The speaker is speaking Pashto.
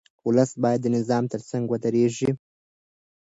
ولس باید د نظام ترڅنګ ودرېږي.